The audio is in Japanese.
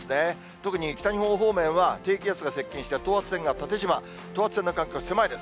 特に北日本方面は、低気圧が接近して等圧線が縦じま、等圧線の間隔が狭いです。